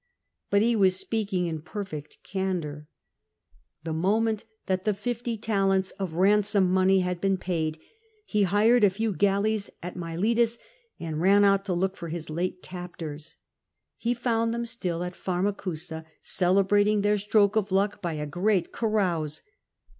But he was speaking in perfect candour. The moment that the fifty talents of ransom money had been paid, he hired a few galleys at Miletus and ran out to look for his late captors. He found them still at Pharmacusa, celebrating their stroke of luck by a great carouse.